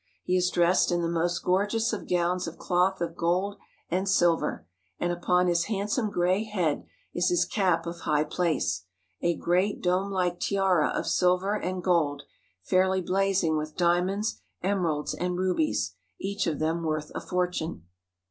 He is dressed in the most gorgeous of gowns of cloth of gold and silver, and upon his handsome gray head is his cap of high place — a great dome like tiara of silver and gold, fairly blazing with diamonds, emeralds, and rubies, each of them worth a fortune.